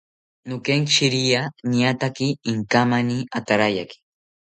Nokenkishiria niataki inkamani atarayaki